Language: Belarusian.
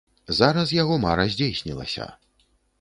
Зараз яго мара здзейснілася.